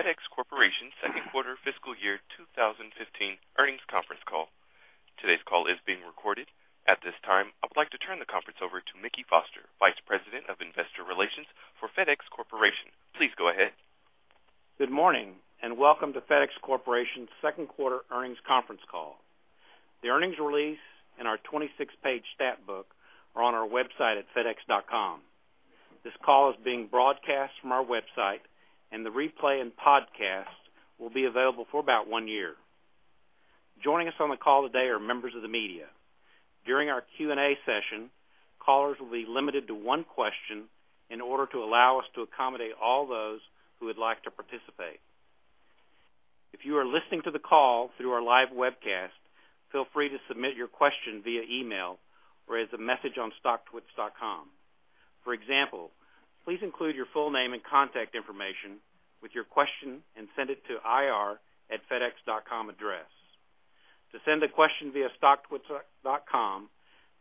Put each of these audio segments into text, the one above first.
Good day, and welcome to the FedEx Corporation second quarter fiscal year 2015 earnings conference call. Today's call is being recorded. At this time, I would like to turn the conference over to Mickey Foster, Vice President of Investor Relations for FedEx Corporation. Please go ahead. Good morning, and welcome to FedEx Corporation's second quarter earnings conference call. The earnings release and our 26-page stat book are on our website at fedex.com. This call is being broadcast from our website, and the replay and podcast will be available for about one year. Joining us on the call today are members of the media. During our Q&A session, callers will be limited to one question in order to allow us to accommodate all those who would like to participate. If you are listening to the call through our live webcast, feel free to submit your question via email or as a message on StockTwits.com. For example, please include your full name and contact information with your question and send it to ir@fedex.com address. To send a question via StockTwits.com,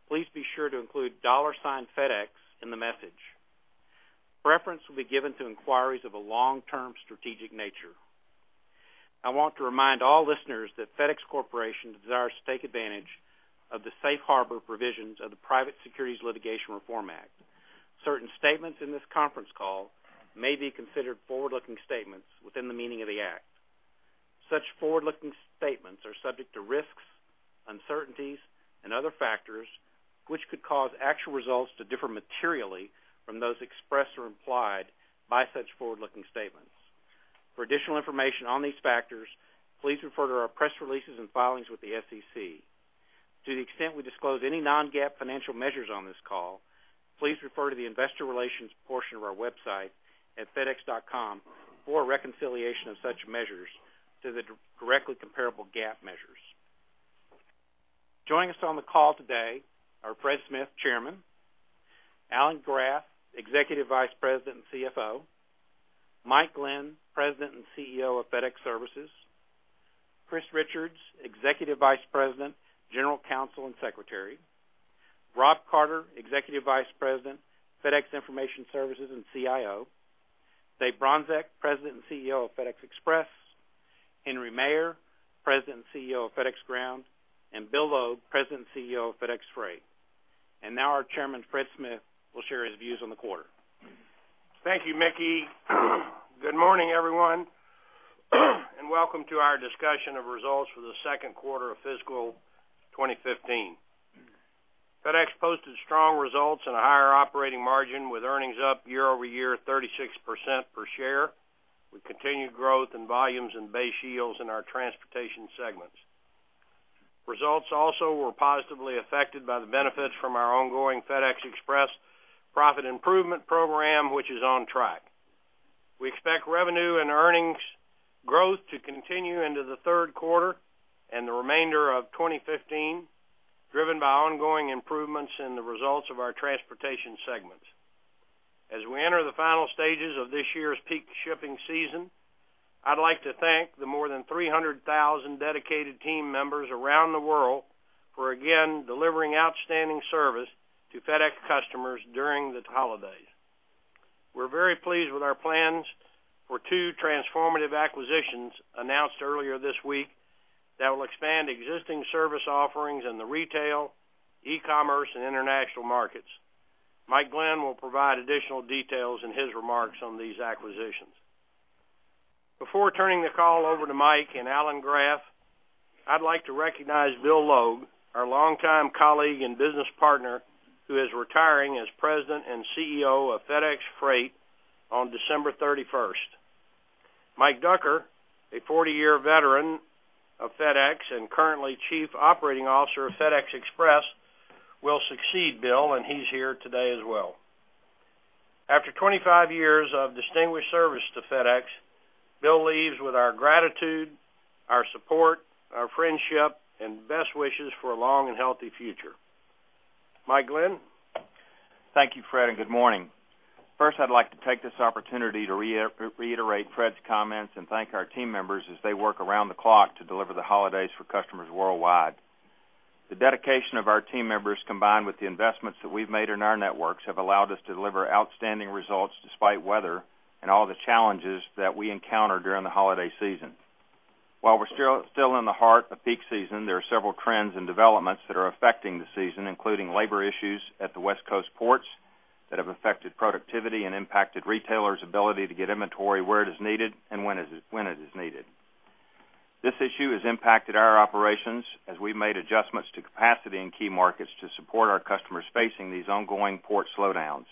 please be sure to include $FedEx in the message. Preference will be given to inquiries of a long-term strategic nature. I want to remind all listeners that FedEx Corporation desires to take advantage of the safe harbor provisions of the Private Securities Litigation Reform Act. Certain statements in this conference call may be considered forward-looking statements within the meaning of the Act. Such forward-looking statements are subject to risks, uncertainties, and other factors which could cause actual results to differ materially from those expressed or implied by such forward-looking statements. For additional information on these factors, please refer to our press releases and filings with the SEC. To the extent we disclose any non-GAAP financial measures on this call, please refer to the investor relations portion of our website at fedex.com for a reconciliation of such measures to the directly comparable GAAP measures. Joining us on the call today are Fred Smith, Chairman, Alan Graf, Executive Vice President and CFO, Mike Glenn, President and CEO of FedEx Services, Christine Richards, Executive Vice President, General Counsel, and Secretary, Rob Carter, Executive Vice President, FedEx Information Services, and CIO, Dave Bronczek, President and CEO of FedEx Express, Henry Maier, President and CEO of FedEx Ground, and Bill Logue, President and CEO of FedEx Freight. Now our chairman, Fred Smith, will share his views on the quarter. Thank you, Mickey. Good morning, everyone, and welcome to our discussion of results for the second quarter of fiscal 2015. FedEx posted strong results and a higher operating margin, with earnings up year-over-year 36% per share. We continued growth in volumes and base yields in our transportation segments. Results also were positively affected by the benefits from our ongoing FedEx Express Profit Improvement Program, which is on track. We expect revenue and earnings growth to continue into the third quarter and the remainder of 2015, driven by ongoing improvements in the results of our transportation segments. As we enter the final stages of this year's peak shipping season, I'd like to thank the more than 300,000 dedicated team members around the world for, again, delivering outstanding service to FedEx customers during the holidays. We're very pleased with our plans for two transformative acquisitions announced earlier this week that will expand existing service offerings in the retail, e-commerce, and international markets. Mike Glenn will provide additional details in his remarks on these acquisitions. Before turning the call over to Mike and Alan Graf, I'd like to recognize Bill Logue, our longtime colleague and business partner, who is retiring as President and CEO of FedEx Freight on December 31st. Mike Ducker, a 40-year veteran of FedEx and currently Chief Operating Officer of FedEx Express, will succeed Bill, and he's here today as well. After 25 years of distinguished service to FedEx, Bill leaves with our gratitude, our support, our friendship, and best wishes for a long and healthy future. Mike Glenn? Thank you, Fred, and good morning. First, I'd like to take this opportunity to reiterate Fred's comments and thank our team members as they work around the clock to deliver the holidays for customers worldwide. The dedication of our team members, combined with the investments that we've made in our networks, have allowed us to deliver outstanding results despite weather and all the challenges that we encounter during the holiday season. While we're still in the heart of peak season, there are several trends and developments that are affecting the season, including labor issues at the West Coast ports that have affected productivity and impacted retailers' ability to get inventory where it is needed and when it is needed. This issue has impacted our operations as we've made adjustments to capacity in key markets to support our customers facing these ongoing port slowdowns.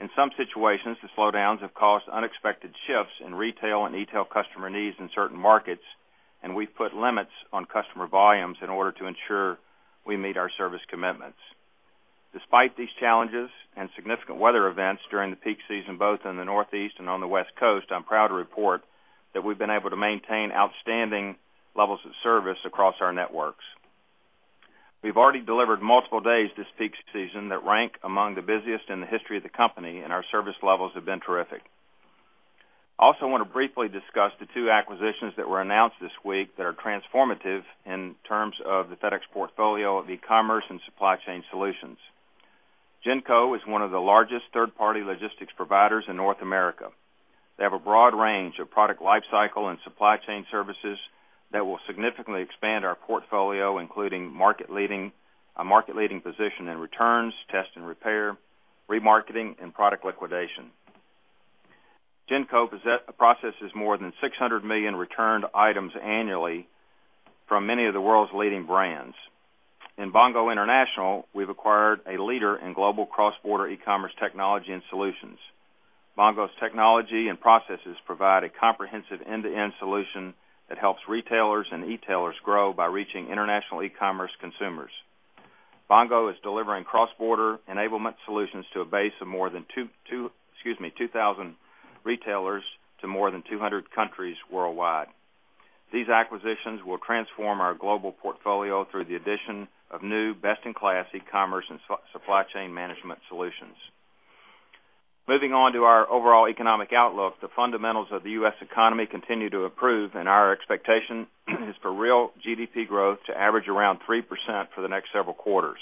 In some situations, the slowdowns have caused unexpected shifts in retail and e-tail customer needs in certain markets, and we've put limits on customer volumes in order to ensure we meet our service commitments. Despite these challenges and significant weather events during the peak season, both in the Northeast and on the West Coast, I'm proud to report that we've been able to maintain outstanding levels of service across our networks. We've already delivered multiple days this peak season that rank among the busiest in the history of the company, and our service levels have been terrific. I also want to briefly discuss the two acquisitions that were announced this week that are transformative in terms of the FedEx portfolio of e-commerce and supply chain solutions. GENCO is one of the largest third-party logistics providers in North America. They have a broad range of product lifecycle and supply chain services that will significantly expand our portfolio, including market leading, a market leading position in returns, test and repair, remarketing, and product liquidation. GENCO processes more than 600 million returned items annually from many of the world's leading brands. In Bongo International, we've acquired a leader in global cross-border e-commerce technology and solutions. Bongo's technology and processes provide a comprehensive end-to-end solution that helps retailers and e-tailers grow by reaching international e-commerce consumers. Bongo is delivering cross-border enablement solutions to a base of more than 2,000 retailers to more than 200 countries worldwide. These acquisitions will transform our global portfolio through the addition of new best-in-class e-commerce and supply chain management solutions. Moving on to our overall economic outlook, the fundamentals of the U.S. economy continue to improve, and our expectation is for real GDP growth to average around 3% for the next several quarters.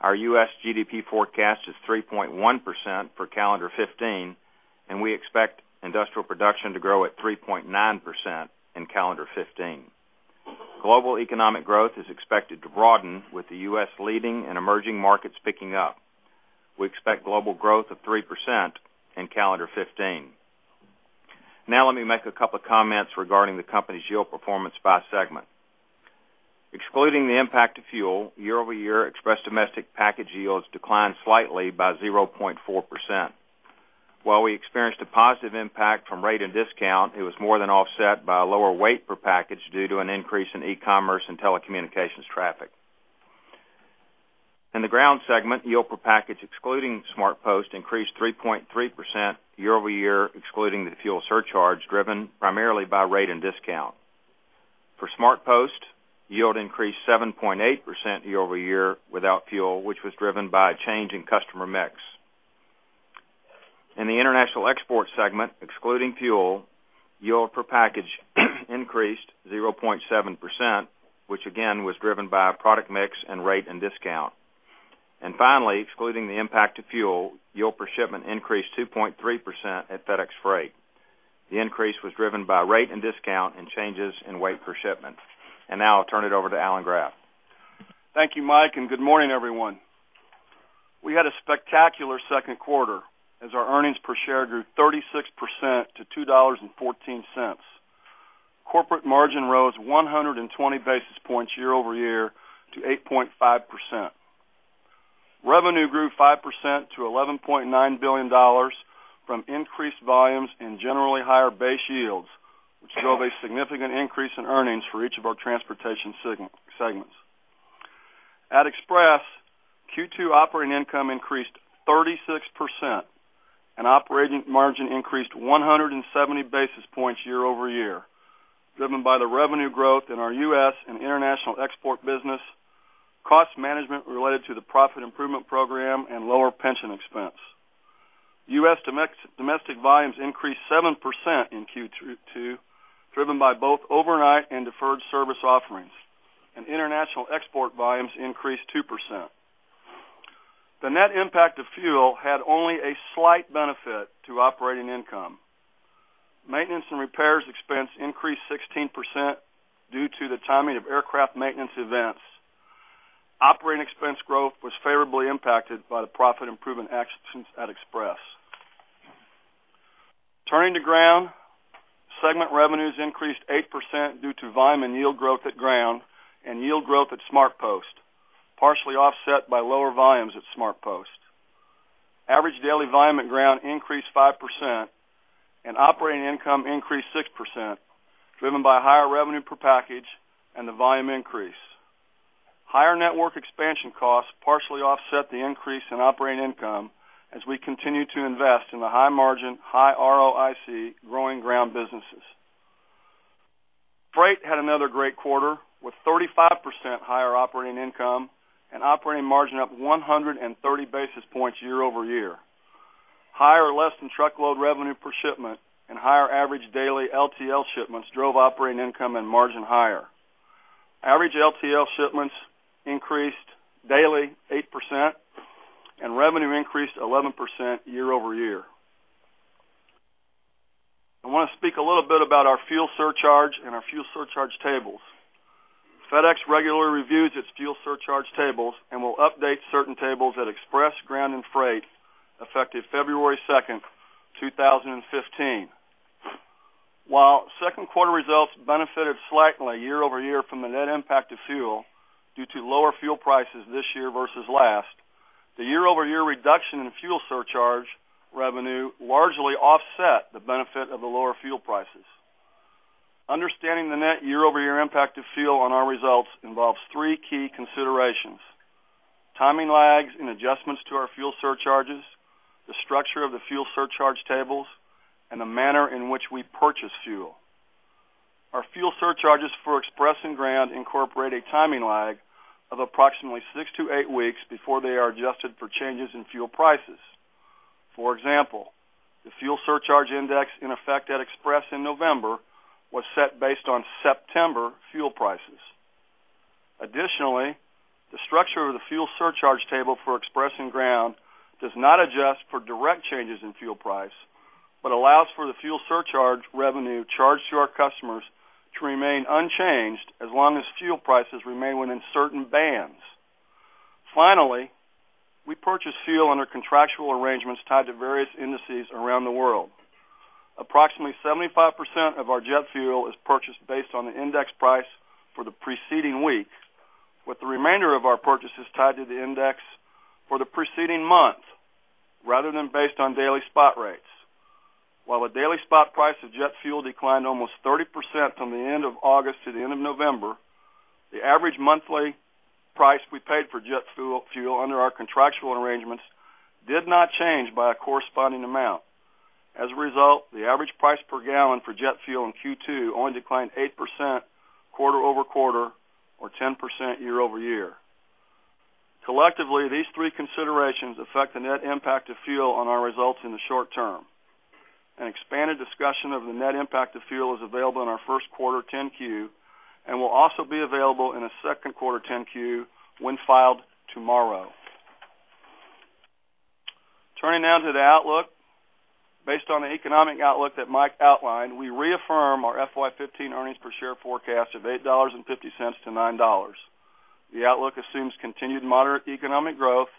Our U.S. GDP forecast is 3.1% for calendar 2015, and we expect industrial production to grow at 3.9% in calendar 2015. Global economic growth is expected to broaden, with the U.S. leading and emerging markets picking up. We expect global growth of 3% in calendar 2015. Now, let me make a couple of comments regarding the company's yield performance by segment. Excluding the impact of fuel, year-over-year Express domestic package yields declined slightly by 0.4%. While we experienced a positive impact from rate and discount, it was more than offset by a lower weight per package due to an increase in e-commerce and telecommunications traffic. In the Ground segment, yield per package, excluding SmartPost, increased 3.3% year-over-year, excluding the fuel surcharge, driven primarily by rate and discount. For SmartPost, yield increased 7.8% year-over-year without fuel, which was driven by a change in customer mix. In the International Export segment, excluding fuel, yield per package increased 0.7%, which again, was driven by a product mix and rate and discount. And finally, excluding the impact of fuel, yield per shipment increased 2.3% at FedEx Freight. The increase was driven by rate and discount and changes in weight per shipment. And now I'll turn it over to Alan Graf. Thank you, Mike, and good morning, everyone. We had a spectacular second quarter as our earnings per share grew 36% to $2.14. Corporate margin rose 120 basis points year-over-year to 8.5%. Revenue grew 5% to $11.9 billion from increased volumes and generally higher base yields, which drove a significant increase in earnings for each of our transportation segment, segments. At Express, Q2 operating income increased 36%, and operating margin increased 170 basis points year-over-year, driven by the revenue growth in our U.S. and international export business, cost management related to the profit improvement program and lower pension expense. U.S. domestic volumes increased 7% in Q2, driven by both overnight and deferred service offerings, and international export volumes increased 2%. The net impact of fuel had only a slight benefit to operating income. Maintenance and repairs expense increased 16% due to the timing of aircraft maintenance events. Operating expense growth was favorably impacted by the profit improvement actions at Express. Turning to Ground, segment revenues increased 8% due to volume and yield growth at Ground and yield growth at SmartPost, partially offset by lower volumes at SmartPost. Average daily volume at Ground increased 5%, and operating income increased 6%, driven by higher revenue per package and the volume increase. Higher network expansion costs partially offset the increase in operating income as we continue to invest in the high margin, high ROIC, growing Ground businesses. Freight had another great quarter, with 35% higher operating income and operating margin up 130 basis points year-over-year. Higher less-than-truckload revenue per shipment and higher average daily LTL shipments drove operating income and margin higher. Average LTL shipments increased 8% daily, and revenue increased 11% year-over-year. I want to speak a little bit about our fuel surcharge and our fuel surcharge tables. FedEx regularly reviews its fuel surcharge tables and will update certain tables at Express, Ground, and Freight, effective February 2, 2015. While second quarter results benefited slightly year-over-year from the net impact of fuel due to lower fuel prices this year versus last, the year-over-year reduction in fuel surcharge revenue largely offset the benefit of the lower fuel prices. Understanding the net year-over-year impact of fuel on our results involves three key considerations: timing lags and adjustments to our fuel surcharges, the structure of the fuel surcharge tables, and the manner in which we purchase fuel. Our fuel surcharges for Express and Ground incorporate a timing lag of approximately six to eight weeks before they are adjusted for changes in fuel prices. For example, the fuel surcharge index in effect at Express in November was set based on September fuel prices. Additionally, the structure of the fuel surcharge table for Express and Ground does not adjust for direct changes in fuel price, but allows for the fuel surcharge revenue charged to our customers to remain unchanged as long as fuel prices remain within certain bands. Finally, we purchase fuel under contractual arrangements tied to various indices around the world. Approximately 75% of our jet fuel is purchased based on the index price for the preceding week, with the remainder of our purchases tied to the index for the preceding month rather than based on daily spot rates. While a daily spot price of jet fuel declined almost 30% from the end of August to the end of November, the average monthly price we paid for jet fuel, fuel under our contractual arrangements did not change by a corresponding amount. As a result, the average price per gallon for jet fuel in Q2 only declined 8% quarter-over-quarter or 10% year-over-year. Collectively, these three considerations affect the net impact of fuel on our results in the short term. An expanded discussion of the net impact of fuel is available in our first-quarter 10-Q and will also be available in a second-quarter 10-Q when filed tomorrow. Turning now to the outlook. Based on the economic outlook that Mike outlined, we reaffirm our FY 2015 earnings per share forecast of $8.50-$9. The outlook assumes continued moderate economic growth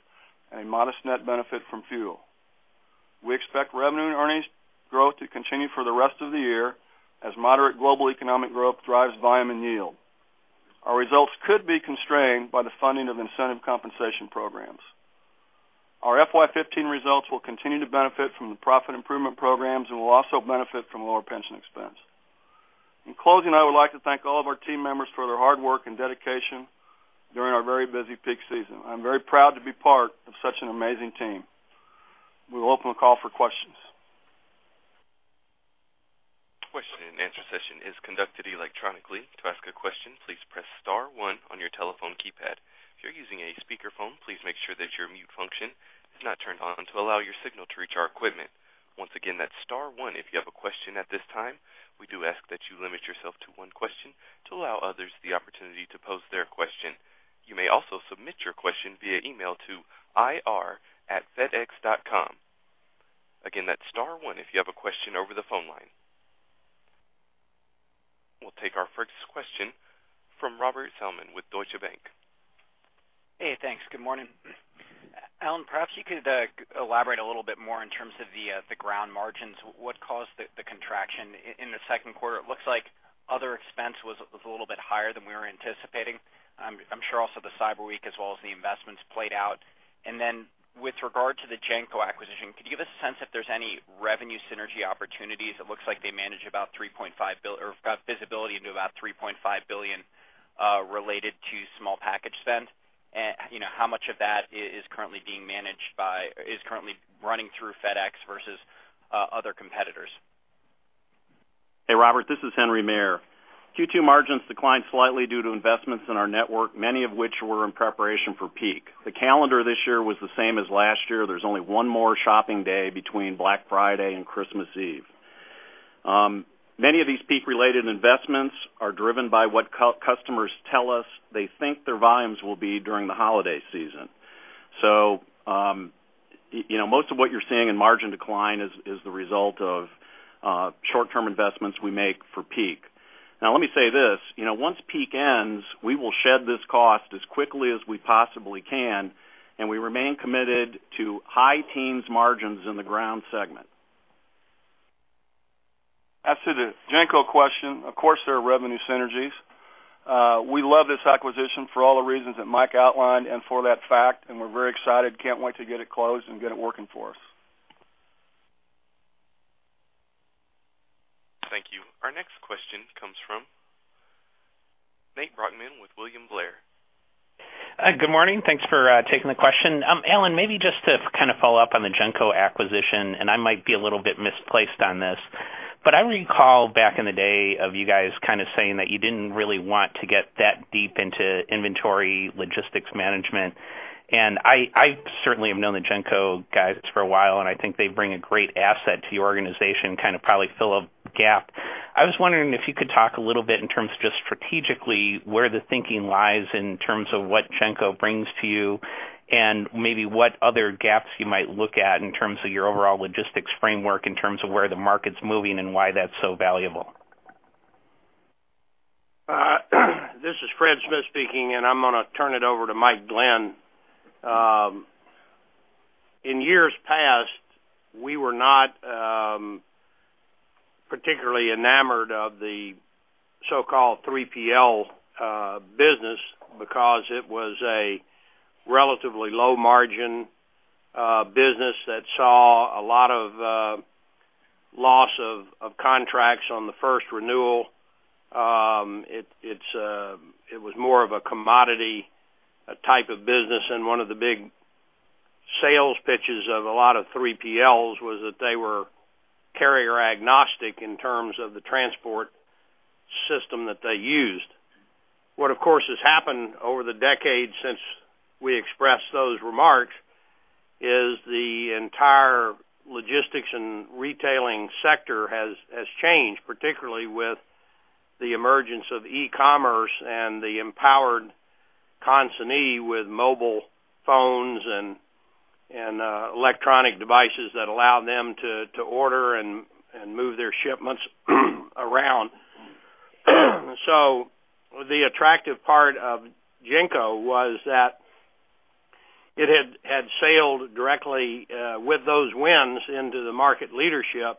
and a modest net benefit from fuel. We expect revenue and earnings growth to continue for the rest of the year as moderate global economic growth drives volume and yield. Our results could be constrained by the funding of incentive compensation programs. Our FY 2015 results will continue to benefit from the profit improvement programs and will also benefit from lower pension expense. In closing, I would like to thank all of our team members for their hard work and dedication during our very busy peak season. I'm very proud to be part of such an amazing team. We will open the call for questions. Question and answer session is conducted electronically. To ask a question, please press star one on your telephone keypad. If you're using a speakerphone, please make sure that your mute function is not turned on to allow your signal to reach our equipment. Once again, that's star one if you have a question at this time. We do ask that you limit yourself to one question to allow others the opportunity to pose their question. You may also submit your question via email to ir@fedex.com. Again, that's star one if you have a question over the phone line. We'll take our first question from Robert Salmon with Deutsche Bank. Hey, thanks. Good morning. Alan, perhaps you could elaborate a little bit more in terms of the ground margins. What caused the contraction in the second quarter? It looks like other expense was a little bit higher than we were anticipating. I'm sure also the Cyber Week, as well as the investments played out. And then with regard to the GENCO acquisition, could you give a sense if there's any revenue synergy opportunities? It looks like they manage about $3.5 billion or got visibility into about $3.5 billion related to small package spend. And, you know, how much of that is currently being managed by, is currently running through FedEx versus other competitors? Hey, Robert, this is Henry Maier. Q2 margins declined slightly due to investments in our network, many of which were in preparation for peak. The calendar this year was the same as last year. There's only one more shopping day between Black Friday and Christmas Eve. Many of these peak-related investments are driven by what customers tell us they think their volumes will be during the holiday season. So, you know, most of what you're seeing in margin decline is the result of short-term investments we make for peak. Now, let me say this, you know, once peak ends, we will shed this cost as quickly as we possibly can, and we remain committed to high teens margins in the ground segment. As to the GENCO question, of course, there are revenue synergies. We love this acquisition for all the reasons that Mike outlined and for that fact, and we're very excited. Can't wait to get it closed and get it working for us. Thank you. Our next question comes from Nate Brochmann with William Blair. Good morning. Thanks for taking the question. Alan, maybe just to kind of follow up on the GENCO acquisition, and I might be a little bit misplaced on this, but I recall back in the day of you guys kind of saying that you didn't really want to get that deep into inventory, logistics management. I certainly have known the GENCO guys for a while, and I think they bring a great asset to your organization, kind of probably fill a gap. I was wondering if you could talk a little bit in terms of just strategically, where the thinking lies in terms of what GENCO brings to you, and maybe what other gaps you might look at in terms of your overall logistics framework, in terms of where the market's moving and why that's so valuable. This is Fred Smith speaking, and I'm gonna turn it over to Mike Glenn. In years past, we were not particularly enamored of the so-called 3PL business because it was a relatively low margin business that saw a lot of loss of contracts on the first renewal. It was more of a commodity type of business, and one of the big sales pitches of a lot of 3PLs was that they were carrier agnostic in terms of the transport system that they used. What, of course, has happened over the decades since we expressed those remarks, is the entire logistics and retailing sector has changed, particularly with the emergence of e-commerce and the empowered consignee with mobile phones and electronic devices that allow them to order and move their shipments around. The attractive part of GENCO was that it had sailed directly with those winds into the market leadership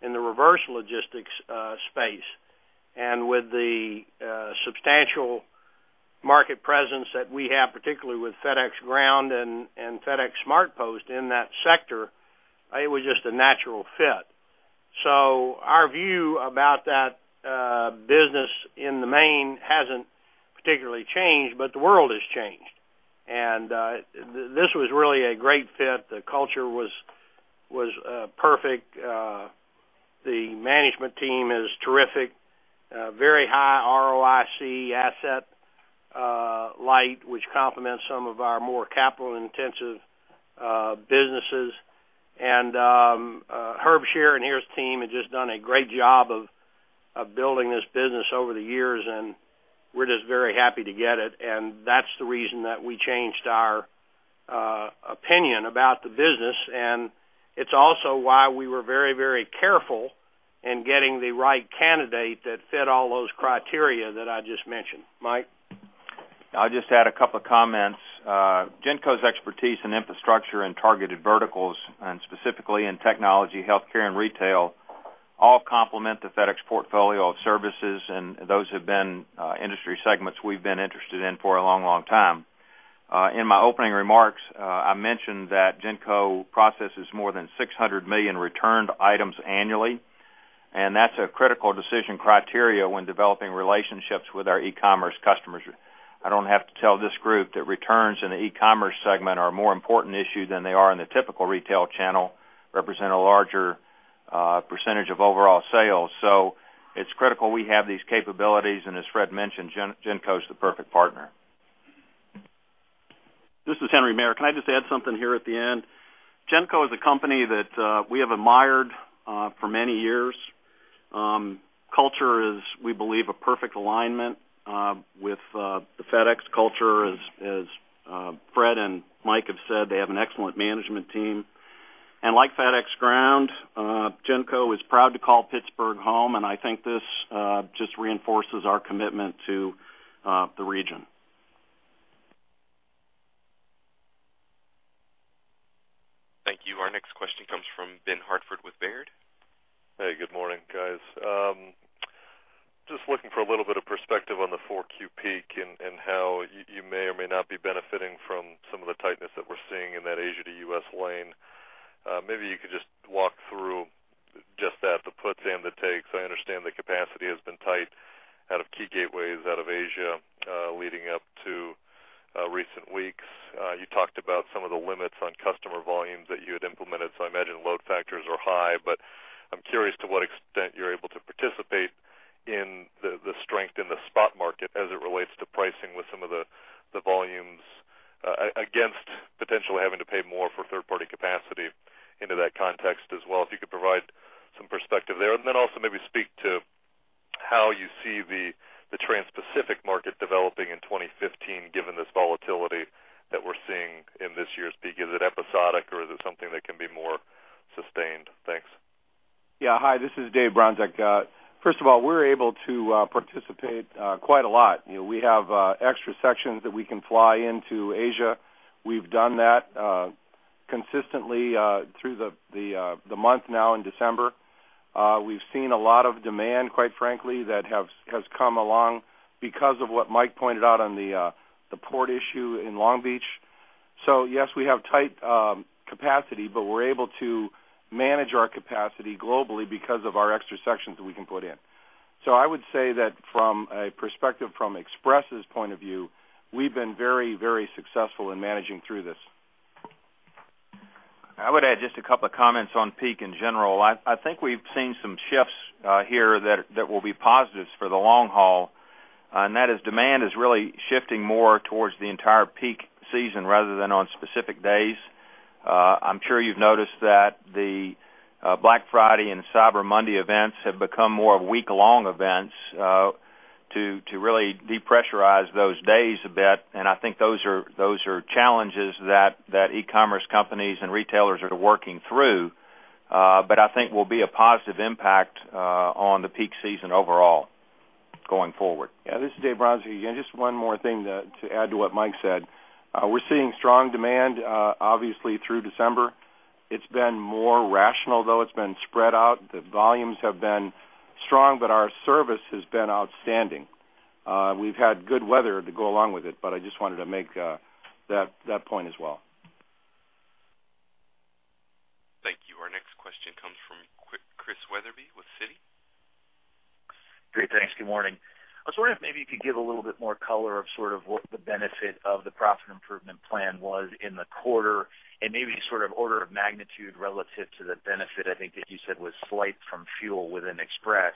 in the reverse logistics space. And with the substantial market presence that we have, particularly with FedEx Ground and FedEx SmartPost in that sector, it was just a natural fit. So our view about that business in the main hasn't particularly changed, but the world has changed. And this was really a great fit. The culture was perfect. The management team is terrific, very high ROIC, asset light, which complements some of our more capital-intensive businesses. And Herb Shear and his team have just done a great job of building this business over the years, and we're just very happy to get it. That's the reason that we changed our opinion about the business, and it's also why we were very, very careful in getting the right candidate that fit all those criteria that I just mentioned. Mike? I'll just add a couple of comments. GENCO's expertise in infrastructure and targeted verticals, and specifically in technology, healthcare, and retail, all complement the FedEx portfolio of services, and those have been industry segments we've been interested in for a long, long time. In my opening remarks, I mentioned that GENCO processes more than 600 million returned items annually, and that's a critical decision criteria when developing relationships with our e-commerce customers. I don't have to tell this group that returns in the e-commerce segment are a more important issue than they are in the typical retail channel, represent a larger percentage of overall sales. So it's critical we have these capabilities, and as Fred mentioned, GENCO is the perfect partner. This is Henry Maier. Can I just add something here at the end? GENCO is a company that we have admired for many years. Culture is, we believe, a perfect alignment with the FedEx culture. As Fred and Mike have said, they have an excellent management team. And like FedEx Ground, GENCO is proud to call Pittsburgh home, and I think this just reinforces our commitment to the region. Thank you. Our next question comes from Ben Hartford with Baird. Hey, good morning, guys. Just looking for a little bit of perspective on the 4Q peak and how you may or may not be benefiting from some of the tightness that we're seeing in that Asia to U.S. lane. Maybe you could just walk through just that, the puts and the takes. I understand the capacity has been tight out of key gateways out of Asia, leading up to recent weeks. You talked about some of the limits on customer volumes that you had implemented, so I imagine load factors are high. I'm curious to what extent you're able to participate in the strength in the spot market as it relates to pricing with some of the volumes against potentially having to pay more for third-party capacity into that context as well, if you could provide some perspective there. Then also maybe speak to how you see the Trans-Pacific market developing in 2015, given this volatility that we're seeing in this year's peak. Is it episodic, or is it something that can be more sustained? Thanks. Yeah. Hi, this is Dave Bronczek. First of all, we're able to participate quite a lot. You know, we have extra sections that we can fly into Asia. We've done that consistently through the month now in December. We've seen a lot of demand, quite frankly, that has come along because of what Mike pointed out on the port issue in Long Beach. So yes, we have tight capacity, but we're able to manage our capacity globally because of our extra sections that we can put in. So I would say that from a perspective from Express's point of view, we've been very, very successful in managing through this. I would add just a couple of comments on peak in general. I think we've seen some shifts here that will be positives for the long haul, and that is demand is really shifting more towards the entire peak season rather than on specific days. I'm sure you've noticed that the Black Friday and Cyber Monday events have become more of week-long events to really depressurize those days a bit, and I think those are challenges that e-commerce companies and retailers are working through, but I think will be a positive impact on the peak season overall going forward. Yeah, this is Dave Bronczek. Again, just one more thing to add to what Mike said. We're seeing strong demand, obviously, through December. It's been more rational, though. It's been spread out. The volumes have been strong, but our service has been outstanding. We've had good weather to go along with it, but I just wanted to make that point as well. Thank you. Our next question comes from Chris Wetherbee with Citi. Great, thanks. Good morning. I was wondering if maybe you could give a little bit more color of sort of what the benefit of the profit improvement plan was in the quarter and maybe sort of order of magnitude relative to the benefit, I think, that you said was slight from fuel within Express.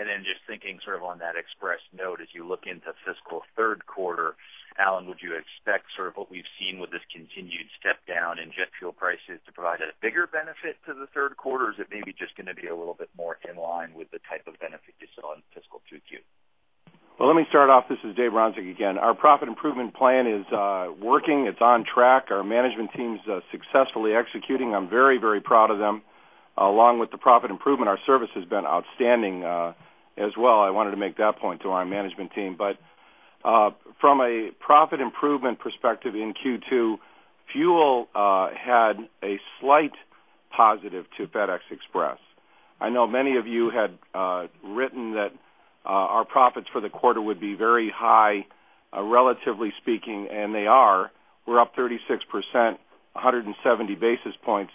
And then just thinking sort of on that Express note, as you look into fiscal third quarter, Alan, would you expect sort of what we've seen with this continued step down in jet fuel prices to provide a bigger benefit to the third quarter? Or is it maybe just gonna be a little bit more in line with the type of benefit you saw in fiscal 2Q? Well, let me start off. This is Dave Bronczek again. Our profit improvement plan is working. It's on track. Our management team's successfully executing. I'm very, very proud of them. Along with the profit improvement, our service has been outstanding as well. I wanted to make that point to our management team. But from a profit improvement perspective, in Q2, fuel had a slight positive to FedEx Express. I know many of you had written that our profits for the quarter would be very high, relatively speaking, and they are. We're up 36%, 170 basis points,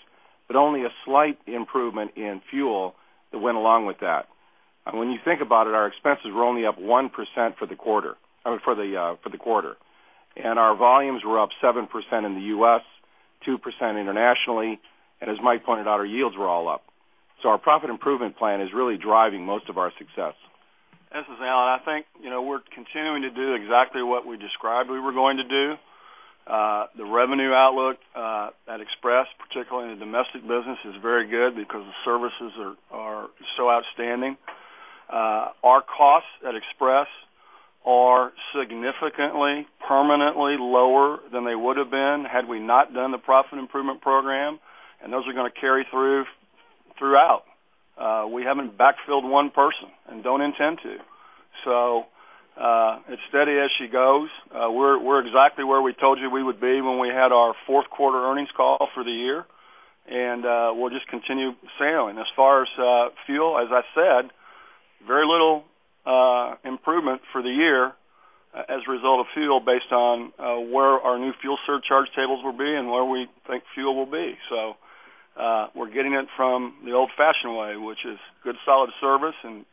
but only a slight improvement in fuel that went along with that. And when you think about it, our expenses were only up 1% for the quarter, I mean, for the quarter. Our volumes were up 7% in the U.S., 2% internationally, and as Mike pointed out, our yields were all up. Our profit improvement plan is really driving most of our success. This is Alan. I think, you know, we're continuing to do exactly what we described we were going to do. The revenue outlook at Express, particularly in the domestic business, is very good because the services are so outstanding. Our costs at Express are significantly, permanently lower than they would have been had we not done the profit improvement program, and those are gonna carry through throughout. We haven't backfilled one person and don't intend to. So, as steady as she goes, we're exactly where we told you we would be when we had our fourth quarter earnings call for the year, and we'll just continue sailing. As far as fuel, as I said, very little improvement for the year as a result of fuel based on where our new fuel surcharge tables will be and where we think fuel will be. So, we're getting it from the old-fashioned way, which is good, solid service and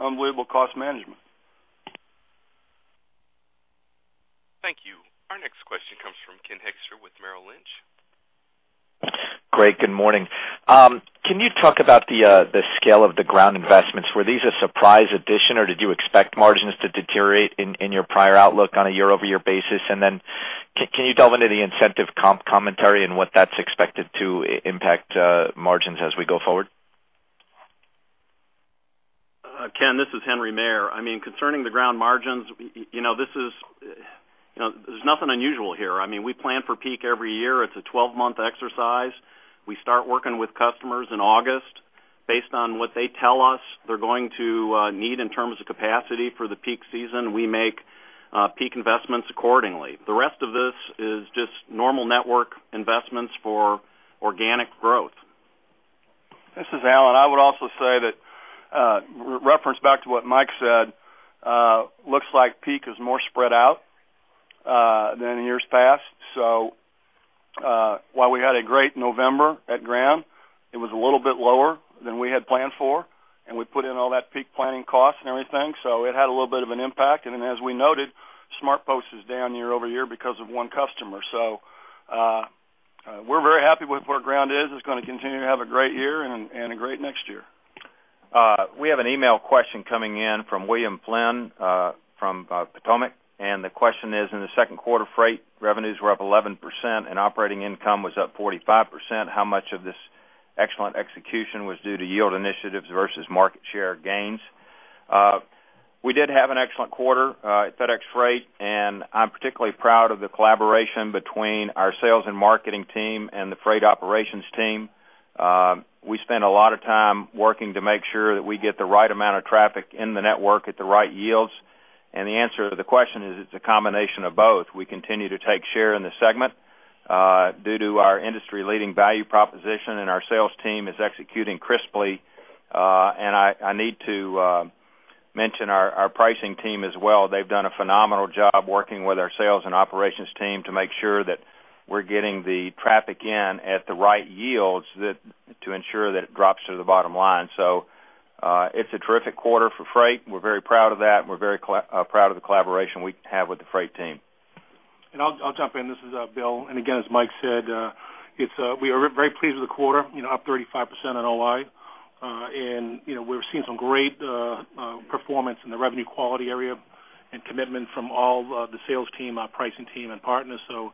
unbelievable cost management. Thank you. Our next question comes from Ken Hoexter with Merrill Lynch. Great, good morning. Can you talk about the scale of the ground investments? Were these a surprise addition, or did you expect margins to deteriorate in your prior outlook on a year-over-year basis? And then can you delve into the incentive comp commentary and what that's expected to impact margins as we go forward? Ken, this is Henry Maier. I mean, concerning the Ground margins, you know, this is, you know, there's nothing unusual here. I mean, we plan for peak every year. It's a 12-month exercise. We start working with customers in August. Based on what they tell us they're going to need in terms of capacity for the peak season, we make peak investments accordingly. The rest of this is just normal network investments for organic growth. This is Alan. I would also say that, reference back to what Mike said, looks like peak is more spread out, than in years past. So, while we had a great November at Ground, it was a little bit lower than we had planned for, and we put in all that peak planning costs and everything, so it had a little bit of an impact. And then, as we noted, SmartPost is down year over year because of one customer. So, we're very happy with where Ground is. It's gonna continue to have a great year and, and a great next year. We have an email question coming in from William Flynn, from Potomac, and the question is: In the second quarter, freight revenues were up 11% and operating income was up 45%. How much of this excellent execution was due to yield initiatives versus market share gains? We did have an excellent quarter at FedEx Freight, and I'm particularly proud of the collaboration between our sales and marketing team and the freight operations team. We spent a lot of time working to make sure that we get the right amount of traffic in the network at the right yields. The answer to the question is, it's a combination of both. We continue to take share in the segment due to our industry-leading value proposition, and our sales team is executing crisply. I need to mention our pricing team as well. They've done a phenomenal job working with our sales and operations team to make sure that we're getting the traffic in at the right yields that... to ensure that it drops to the bottom line. So, it's a terrific quarter for freight. We're very proud of that, and we're very proud of the collaboration we have with the freight team. I'll jump in. This is Bill. And again, as Mike said, it's we are very pleased with the quarter, you know, up 35% on OI. And, you know, we've seen some great performance in the revenue quality area and commitment from all the sales team, our pricing team and partners. So,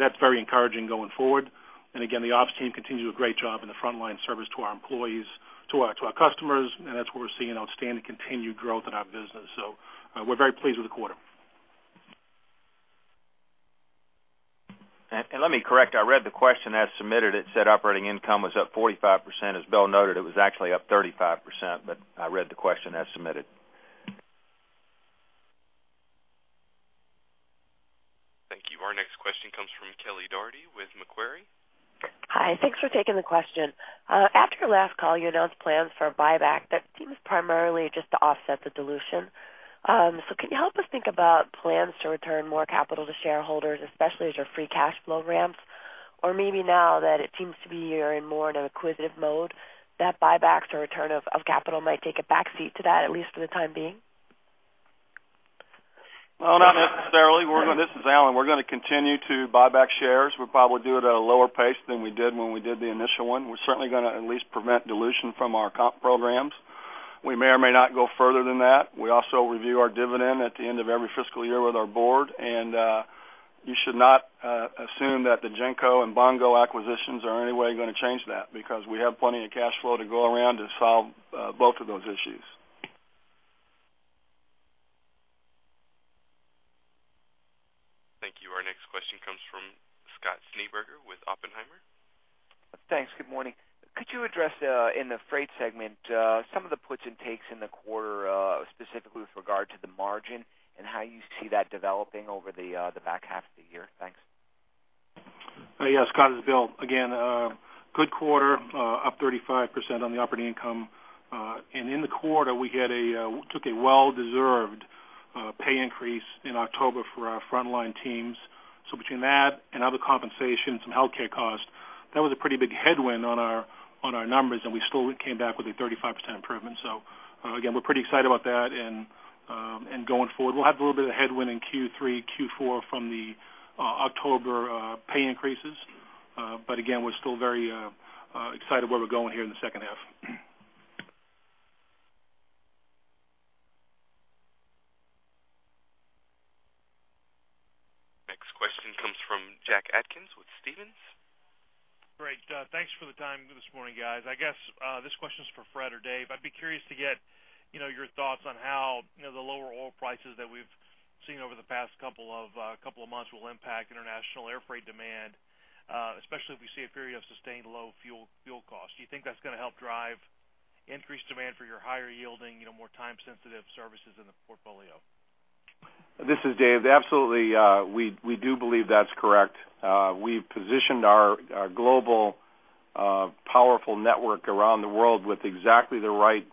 that's very encouraging going forward. And again, the ops team continues to do a great job in the frontline service to our employees, to our customers, and that's where we're seeing outstanding continued growth in our business. So, we're very pleased with the quarter. Let me correct, I read the question as submitted. It said operating income was up 45%. As Bill noted, it was actually up 35%, but I read the question as submitted. Thank you. Our next question comes from Kelly Dougherty with Macquarie. Hi, thanks for taking the question. After your last call, you announced plans for a buyback that seems primarily just to offset the dilution. Can you help us think about plans to return more capital to shareholders, especially as your free cash flow ramps? Or maybe now that it seems to be you're in more in an acquisitive mode, that buybacks or return of, of capital might take a back seat to that, at least for the time being? Well, not necessarily. We're gonna, this is Alan. We're gonna continue to buy back shares. We'll probably do it at a lower pace than we did when we did the initial one. We're certainly gonna at least prevent dilution from our comp programs. We may or may not go further than that. We also review our dividend at the end of every fiscal year with our board, and, you should not, assume that the GENCO and Bongo acquisitions are in any way gonna change that, because we have plenty of cash flow to go around to solve, both of those issues. Thank you. Our next question comes from Scott Schneeberger with Oppenheimer. Thanks. Good morning. Could you address, in the Freight segment, some of the puts and takes in the quarter, specifically with regard to the margin and how you see that developing over the back half of the year? Thanks. Yes, Scott, it's Bill. Again, good quarter, up 35% on the operating income. And in the quarter, we took a well-deserved pay increase in October for our frontline teams. So between that and other compensations and healthcare costs, that was a pretty big headwind on our numbers, and we still came back with a 35% improvement. So, again, we're pretty excited about that. And going forward, we'll have a little bit of headwind in Q3, Q4 from the October pay increases. But again, we're still very excited where we're going here in the second half. Next question comes from Jack Atkins with Stephens. Great. Thanks for the time this morning, guys. I guess this question is for Fred or Dave. I'd be curious to get, you know, your thoughts on how, you know, the lower oil prices that we've seen over the past couple of couple of months will impact international air freight demand, especially if we see a period of sustained low fuel, fuel costs. Do you think that's gonna help drive increased demand for your higher yielding, you know, more time-sensitive services in the portfolio? This is Dave. Absolutely, we do believe that's correct. We've positioned our global powerful network around the world with exactly the right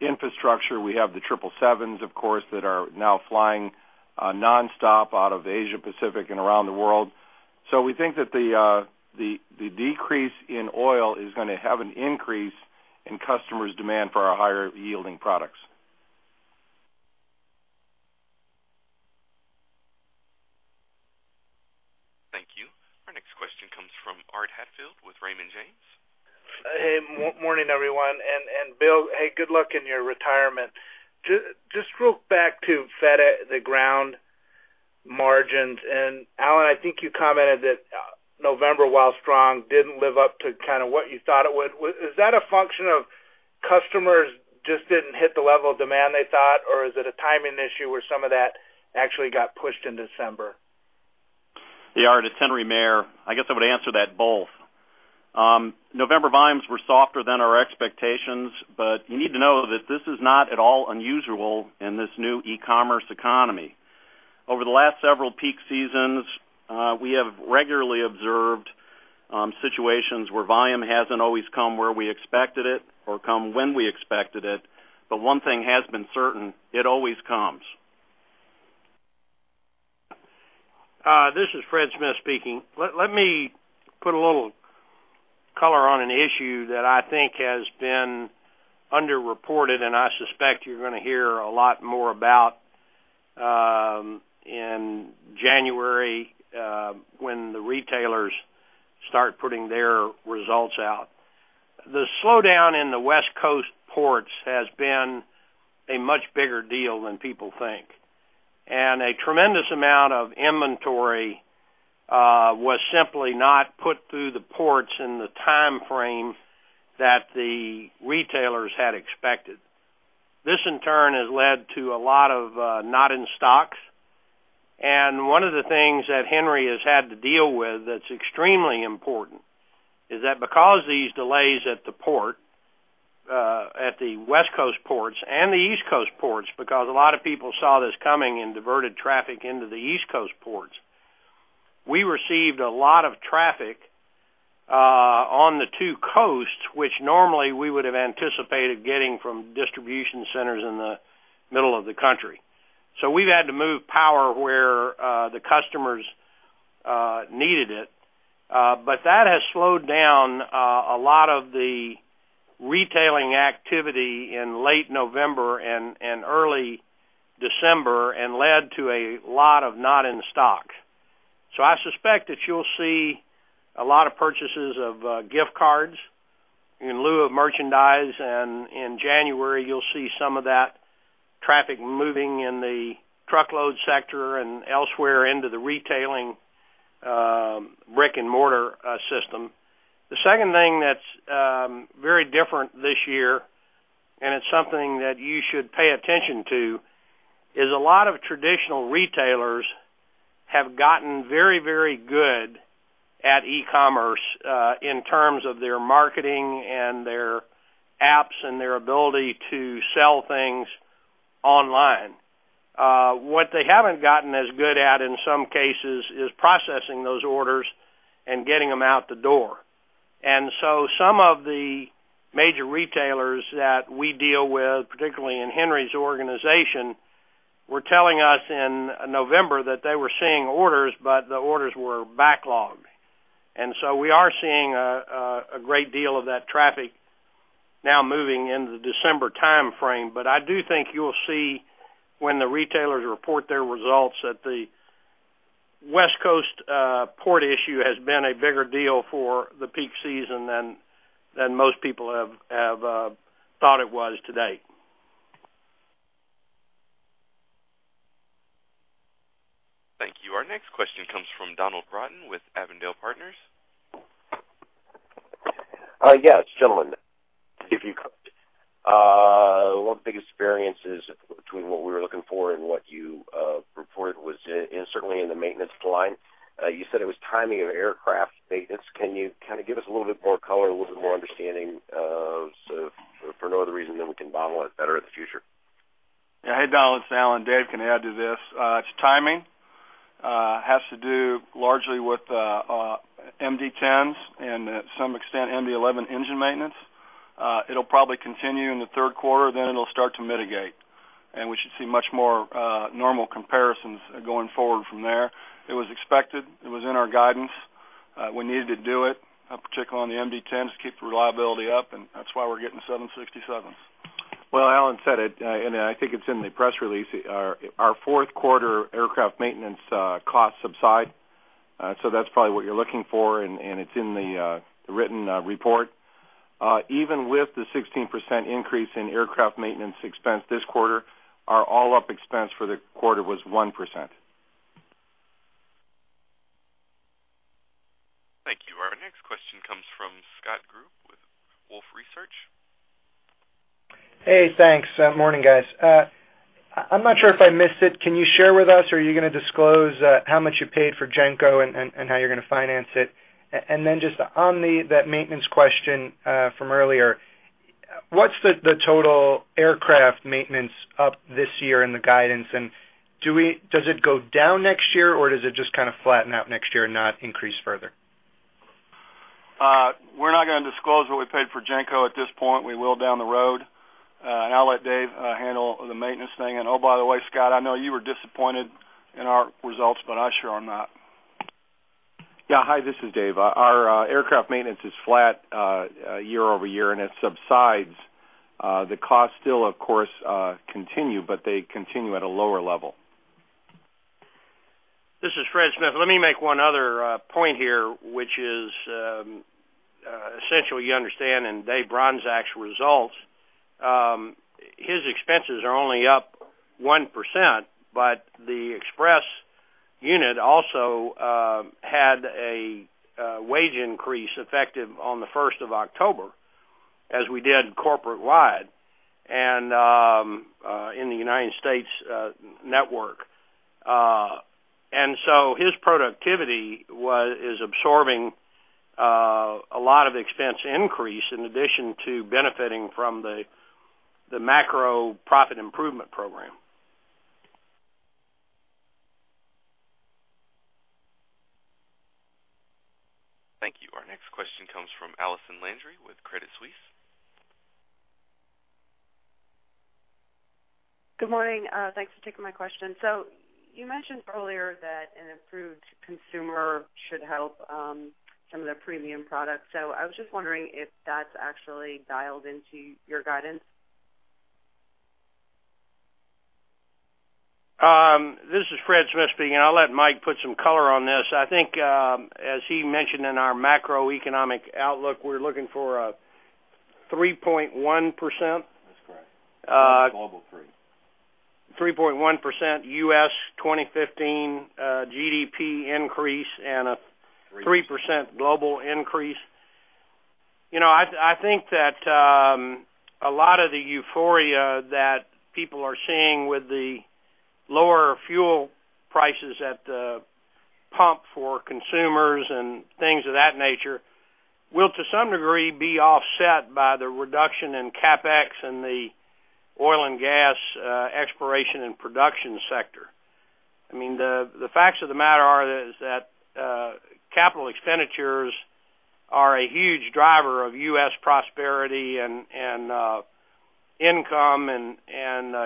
infrastructure. We have the triple sevens, of course, that are now flying nonstop out of Asia, Pacific, and around the world. So we think that the decrease in oil is gonna have an increase in customers' demand for our higher-yielding products. Thank you. Our next question comes from Art Hatfield with Raymond James. Hey, morning, everyone. Bill, hey, good luck in your retirement. Just real back to FedEx Ground margins, and Alan, I think you commented that, November, while strong, didn't live up to kind of what you thought it would. Is that a function of customers just didn't hit the level of demand they thought, or is it a timing issue where some of that actually got pushed in December? Yeah, Art, it's Henry Maier. I guess I would answer that both. November volumes were softer than our expectations, but you need to know that this is not at all unusual in this new e-commerce economy. Over the last several peak seasons, we have regularly observed situations where volume hasn't always come where we expected it or come when we expected it, but one thing has been certain: it always comes. This is Fred Smith speaking. Let me put a little color on an issue that I think has been underreported, and I suspect you're gonna hear a lot more about in January, when the retailers start putting their results out. The slowdown in the West Coast ports has been a much bigger deal than people think, and a tremendous amount of inventory was simply not put through the ports in the timeframe that the retailers had expected. This, in turn, has led to a lot of not in stocks. One of the things that Henry has had to deal with that's extremely important is that because these delays at the port, at the West Coast ports and the East Coast ports, because a lot of people saw this coming and diverted traffic into the East Coast ports, we received a lot of traffic on the two coasts, which normally we would have anticipated getting from distribution centers in the middle of the country. So we've had to move power where the customers needed it. But that has slowed down a lot of the retailing activity in late November and early December and led to a lot of not in stock. I suspect that you'll see a lot of purchases of gift cards in lieu of merchandise, and in January, you'll see some of that traffic moving in the truckload sector and elsewhere into the retailing, brick-and-mortar, system. The second thing that's very different this year, and it's something that you should pay attention to, is a lot of traditional retailers have gotten very, very good at e-commerce, in terms of their marketing and their apps and their ability to sell things online. What they haven't gotten as good at, in some cases, is processing those orders and getting them out the door. And so some of the major retailers that we deal with, particularly in Henry's organization, were telling us in November that they were seeing orders, but the orders were backlogged. We are seeing a great deal of that traffic now moving into the December time frame. But I do think you'll see when the retailers report their results, that the West Coast port issue has been a bigger deal for the peak season than most people have thought it was to date. Thank you. Our next question comes from Donald Broughton with Avondale Partners. Yes, gentlemen, if you could, one of the big experiences between what we were looking for and what you reported was certainly in the maintenance line. You said it was timing of aircraft maintenance. Can you kind of give us a little bit more color, a little bit more understanding, so for no other reason than we can model it better in the future? Yeah. Hey, Donald, it's Alan. Dave can add to this. It's timing has to do largely with MD-10s and to some extent, MD-11 engine maintenance. It'll probably continue in the third quarter, then it'll start to mitigate, and we should see much more normal comparisons going forward from there. It was expected. It was in our guidance. We needed to do it, particularly on the MD-10s, to keep the reliability up, and that's why we're getting 767s. Well, Alan said it, and I think it's in the press release. Our fourth quarter aircraft maintenance costs subside, so that's probably what you're looking for, and it's in the written report. Even with the 16% increase in aircraft maintenance expense this quarter, our all-up expense for the quarter was 1%. Thank you. Our next question comes from Scott Group with Wolfe Research. Hey, thanks. Morning, guys. I'm not sure if I missed it. Can you share with us or are you going to disclose how much you paid for GENCO and how you're going to finance it? And then just on that maintenance question from earlier, what's the total aircraft maintenance up this year in the guidance? And does it go down next year, or does it just kind of flatten out next year and not increase further? We're not going to disclose what we paid for GENCO at this point. We will down the road. And I'll let Dave handle the maintenance thing. And, oh, by the way, Scott, I know you were disappointed in our results, but I sure I'm not. Yeah. Hi, this is Dave. Our aircraft maintenance is flat year over year, and it subsides. The costs still, of course, continue, but they continue at a lower level. This is Fred Smith. Let me make one other point here, which is essentially, you understand, in Dave Bronczek's results, his expenses are only up 1%, but the Express unit also had a wage increase effective on the first of October, as we did corporate-wide, and in the United States network. And so his productivity was-- is absorbing a lot of expense increase in addition to benefiting from the macro profit improvement program. Thank you. Our next question comes from Allison Landry with Credit Suisse. Good morning. Thanks for taking my question. So you mentioned earlier that an improved consumer should help some of the premium products. So I was just wondering if that's actually dialed into your guidance. This is Fred Smith speaking, and I'll let Mike put some color on this. I think, as he mentioned in our macroeconomic outlook, we're looking for a 3.1%? That's correct Global 3. 3.1% U.S. 2015 GDP increase and a 3% global increase. You know, I, I think that, a lot of the euphoria that people are seeing with the lower fuel prices at the pump for consumers and things of that nature, will, to some degree, be offset by the reduction in CapEx and the oil and gas exploration and production sector. I mean, the facts of the matter are that capital expenditures are a huge driver of U.S. prosperity and income, and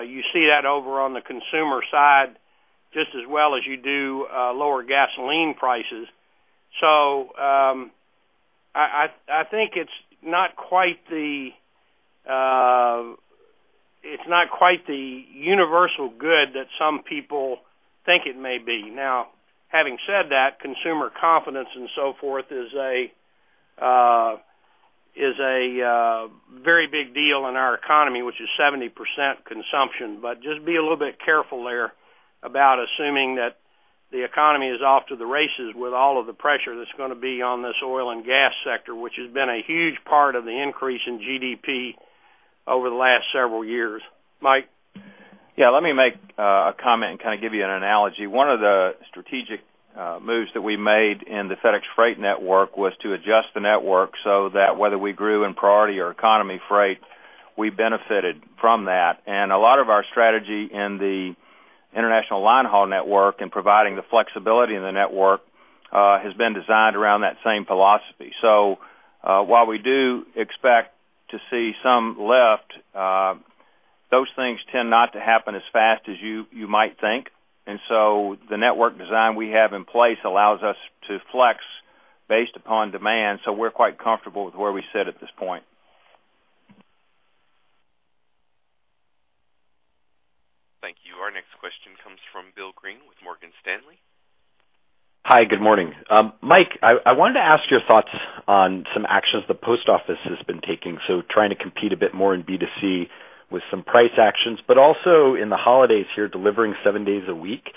you see that over on the consumer side just as well as you do lower gasoline prices. So, I think it's not quite the universal good that some people think it may be. Now, having said that, consumer confidence and so forth is a very big deal in our economy, which is 70% consumption. But just be a little bit careful there about assuming that the economy is off to the races with all of the pressure that's going to be on this oil and gas sector, which has been a huge part of the increase in GDP over the last several years. Mike? Yeah, let me make a comment and kind of give you an analogy. One of the strategic moves that we made in the FedEx Freight network was to adjust the network so that whether we grew in priority or economy freight, we benefited from that. And a lot of our strategy in the international line haul network and providing the flexibility in the network has been designed around that same philosophy. So, while we do expect to see some lift, those things tend not to happen as fast as you, you might think. And so the network design we have in place allows us to flex based upon demand, so we're quite comfortable with where we sit at this point. Thank you. Our next question comes from William Greene with Morgan Stanley. Hi, good morning. Mike, I wanted to ask your thoughts on some actions the post office has been taking, so trying to compete a bit more in B2C with some price actions, but also in the holidays here, delivering seven days a week.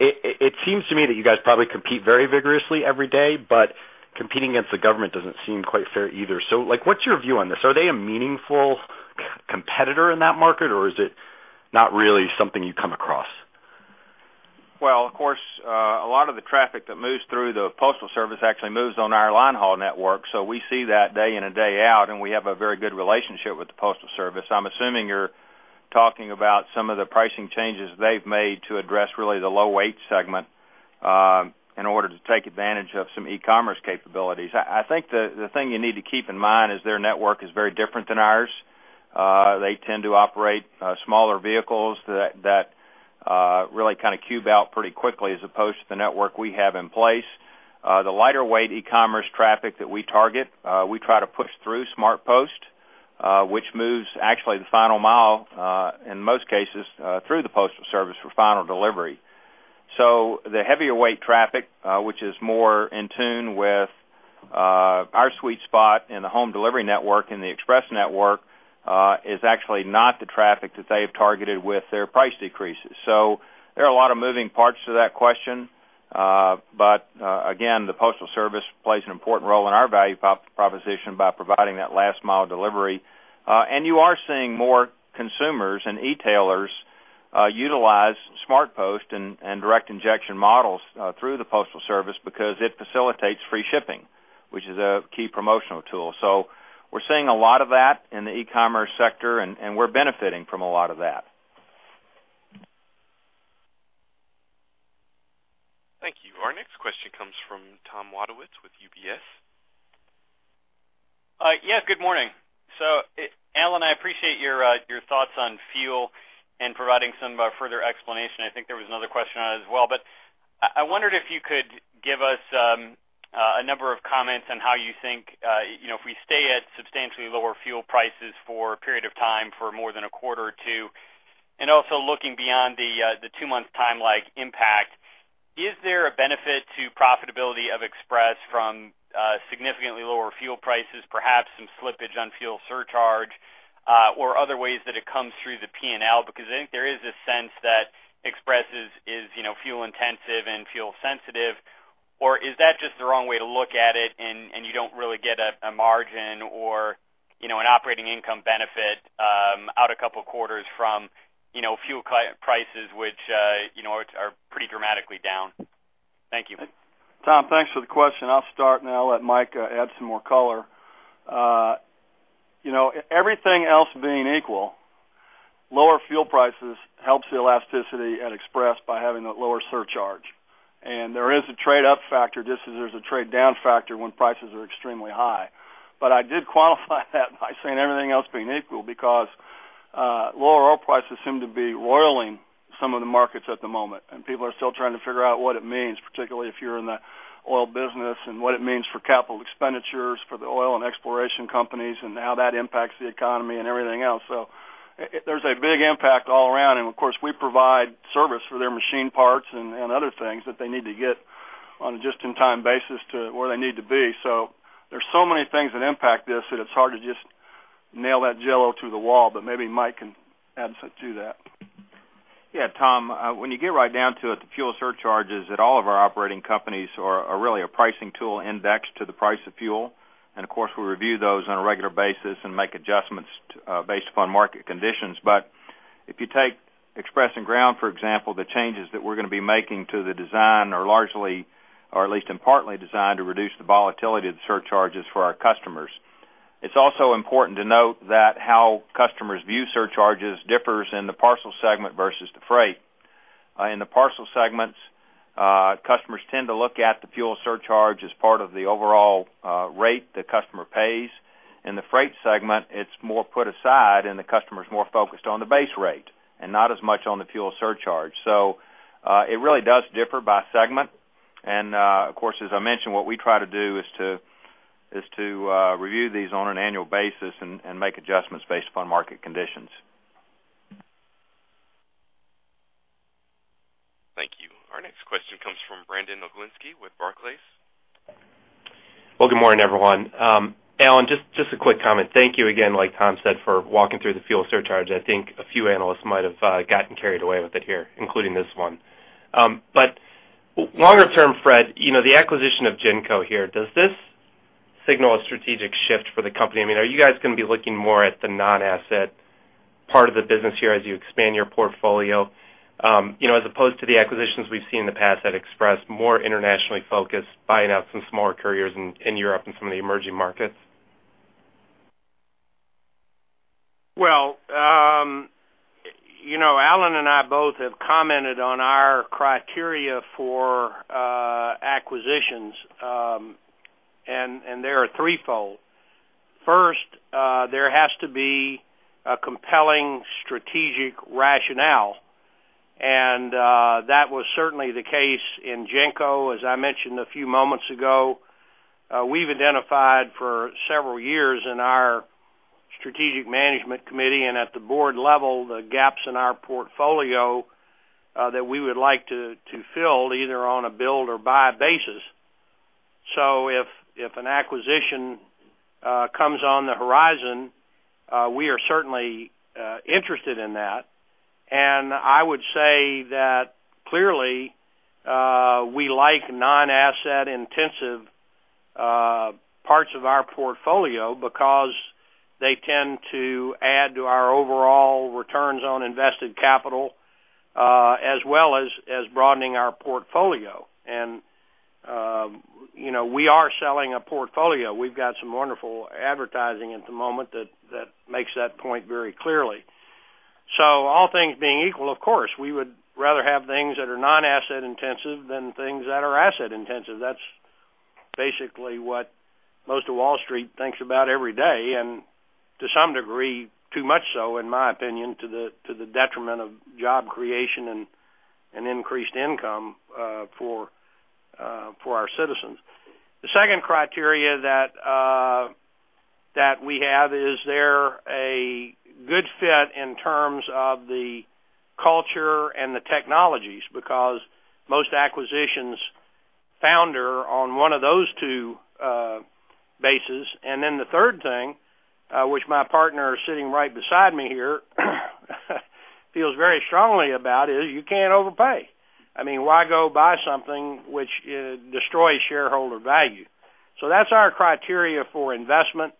It seems to me that you guys probably compete very vigorously every day, but competing against the government doesn't seem quite fair either. So, like, what's your view on this? Are they a meaningful competitor in that market, or is it not really something you come across? Well, of course, a lot of the traffic that moves through the Postal Service actually moves on our line haul network, so we see that day in and day out, and we have a very good relationship with the Postal Service. I'm assuming you're talking about some of the pricing changes they've made to address really the low weight segment, in order to take advantage of some e-commerce capabilities. I think the thing you need to keep in mind is their network is very different than ours. They tend to operate smaller vehicles that really kind of cube out pretty quickly as opposed to the network we have in place. The lighter weight e-commerce traffic that we target, we try to push through SmartPost, which moves actually the final mile, in most cases, through the Postal Service for final delivery. So the heavier weight traffic, which is more in tune with, our sweet spot in the home delivery network and the express network, is actually not the traffic that they've targeted with their price decreases. There are a lot of moving parts to that question. But, again, the Postal Service plays an important role in our value proposition by providing that last mile delivery. And you are seeing more consumers and e-tailers utilize SmartPost and direct injection models through the Postal Service because it facilitates free shipping, which is a key promotional tool. So we're seeing a lot of that in the e-commerce sector, and we're benefiting from a lot of that. Thank you. Our next question comes from Tom Wadewitz with UBS. Yes, good morning. So, Alan, I appreciate your your thoughts on fuel and providing some further explanation. I think there was another question on it as well. But I wondered if you could give us a number of comments on how you think, you know, if we stay at substantially lower fuel prices for a period of time, for more than a quarter or two, and also looking beyond the the two-month time lag impact, is there a benefit to profitability of Express from significantly lower fuel prices, perhaps some slippage on fuel surcharge or other ways that it comes through the P&L? Because I think there is a sense that Express is, you know, fuel intensive and fuel sensitive, or is that just the wrong way to look at it, and you don't really get a margin or, you know, an operating income benefit out a couple of quarters from, you know, fuel prices, which, you know, are pretty dramatically down? Thank you. Tom, thanks for the question. I'll start, and then I'll let Mike add some more color. You know, everything else being equal, lower fuel prices helps the elasticity at Express by having a lower surcharge. And there is a trade-up factor, just as there's a trade-down factor when prices are extremely high. But I did qualify that by saying everything else being equal because lower oil prices seem to be roiling some of the markets at the moment, and people are still trying to figure out what it means, particularly if you're in the oil business, And what it means for capital expenditures for the oil and exploration companies, and how that impacts the economy and everything else. So there's a big impact all around, and of course, we provide service for their machine parts and other things that they need to get on a just-in-time basis to where they need to be. So there's so many things that impact this, that it's hard to just nail that Jell-O to the wall, but maybe Mike can add to that. Yeah, Tom, when you get right down to it, the fuel surcharges at all of our operating companies are, are really a pricing tool indexed to the price of fuel. And of course, we review those on a regular basis and make adjustments based upon market conditions. But if you take Express and Ground, for example, the changes that we're gonna be making to the design are largely, or at least in part, designed to reduce the volatility of the surcharges for our customers. It's also important to note that how customers view surcharges differs in the parcel segment versus the freight. In the parcel segments, customers tend to look at the fuel surcharge as part of the overall rate the customer pays. In the freight segment, it's more put aside, and the customer is more focused on the base rate and not as much on the fuel surcharge. So, it really does differ by segment. And, of course, as I mentioned, what we try to do is to review these on an annual basis and make adjustments based upon market conditions. Thank you. Our next question comes from Brandon Oglenski with Barclays. Well, good morning, everyone. Alan, just a quick comment. Thank you again, like Tom said, for walking through the fuel surcharge. I think a few analysts might have gotten carried away with it here, including this one. But longer term, Fred, you know, the acquisition of GENCO here, does this signal a strategic shift for the company? I mean, are you guys gonna be looking more at the non-asset part of the business here as you expand your portfolio, you know, as opposed to the acquisitions we've seen in the past at Express, more internationally focused, buying out some smaller couriers in Europe and some of the emerging markets? Well, you know, Alan and I both have commented on our criteria for acquisitions, and they are threefold. First, there has to be a compelling strategic rationale, and that was certainly the case in GENCO, as I mentioned a few moments ago. We've identified for several years in our Strategic Management Committee and at the board level, the gaps in our portfolio that we would like to fill either on a build or buy basis. So if an acquisition comes on the horizon, we are certainly interested in that. And I would say that clearly, we like non-asset intensive parts of our portfolio because they tend to add to our overall returns on invested capital, as well as broadening our portfolio. And, you know, we are selling a portfolio. We've got some wonderful advertising at the moment that makes that point very clearly. So all things being equal, of course, we would rather have things that are non-asset intensive than things that are asset intensive. That's basically what most of Wall Street thinks about every day, and to some degree, too much so, in my opinion, to the detriment of job creation and increased income for our citizens. The second criteria that we have is there a good fit in terms of the culture and the technologies? Because most acquisitions founder on one of those two bases. And then the third thing, which my partner is sitting right beside me here, feels very strongly about, is you can't overpay. I mean, why go buy something which destroys shareholder value? So that's our criteria for investment.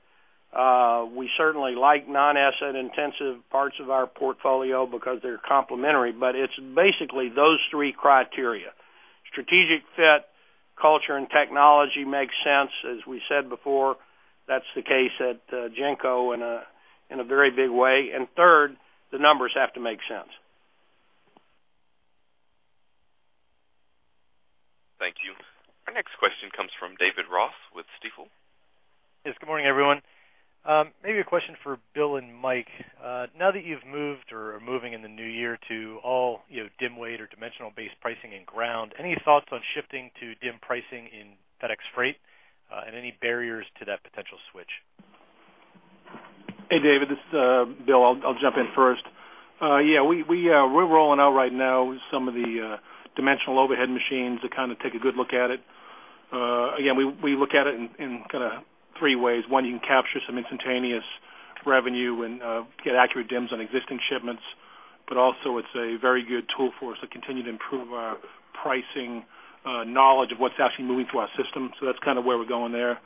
We certainly like non-asset intensive parts of our portfolio because they're complementary, but it's basically those three criteria. Strategic fit, culture, and technology makes sense. As we said before, that's the case at GENCO in a very big way. And third, the numbers have to make sense. Thank you. Our next question comes from David Ross with Stifel. Yes, good morning, everyone. Maybe a question for Bill and Mike. Now that you've moved or are moving in the new year to all, you know, dim weight or dimensional-based pricing in ground, any thoughts on shifting to dim pricing in FedEx Freight, and any barriers to that potential switch? Hey, David, this is Bill. I'll jump in first. Yeah, we're rolling out right now some of the dimensional overhead machines to kind of take a good look at it. Again, we look at it in kind of three ways. One, you can capture some instantaneous revenue and get accurate dims on existing shipments, but also it's a very good tool for us to continue to improve our pricing knowledge of what's actually moving through our system. So that's kind of where we're going there.